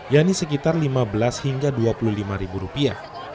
yakni sekitar lima belas hingga dua puluh lima ribu rupiah